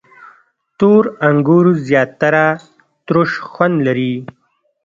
• تور انګور زیاتره تروش خوند لري.